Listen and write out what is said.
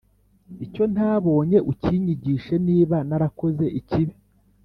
Icyo ntabonye ukinyigishe niba narakoze ikibi